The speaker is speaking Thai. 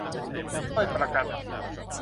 ด้วยประการทั้งปวง